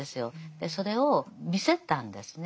でそれを見せたんですね。